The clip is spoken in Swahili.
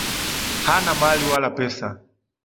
Hana mali wala pesa.